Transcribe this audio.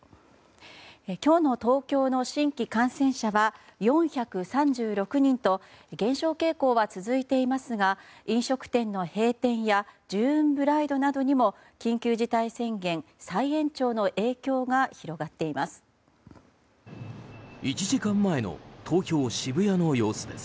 今日の東京の新規感染者は４３６人と減少傾向は続いていますが飲食店の閉店やジューンブライドなどにも緊急事態宣言再延長の影響が広がっています。